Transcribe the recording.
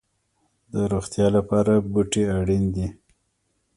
د روغتیا لپاره بوټي اړین دي